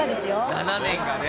７年がね。